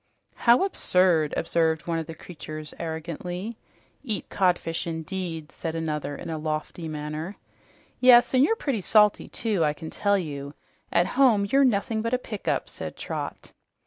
"How absurd!" observed one of the creatures arrogantly. "Eat codfish indeed!" said another in a lofty manner. "Yes, and you're pretty salty, too, I can tell you. At home you're nothing but a pick up!" said Trot.